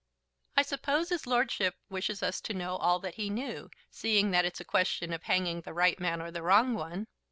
"I suppose his lordship wishes us to know all that he knew, seeing that it's a question of hanging the right man or the wrong one.